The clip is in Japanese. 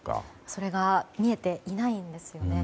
それが見えていないんですよね。